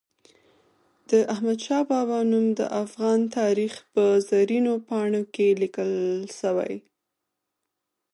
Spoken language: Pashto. د احمد شاه بابا نوم د افغان تاریخ په زرینو پاڼو کې لیکل سوی.